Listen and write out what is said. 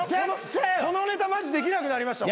このネタマジできなくなりました。